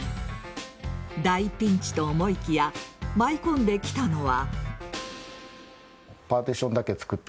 大ピンチと思いきや舞い込んできたのは。